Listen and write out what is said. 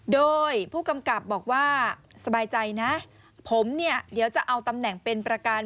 โดยผู้กำกับบอกว่าสบายใจนะผมเนี่ยเดี๋ยวจะเอาตำแหน่งเป็นประกัน